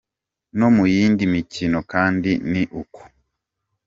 No mu yindi mikino kandi ni uko.